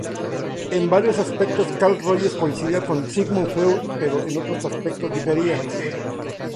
En varios aspectos Carl Rogers coincidía con Sigmund Freud, pero en otros aspectos difería.